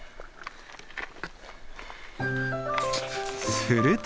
すると。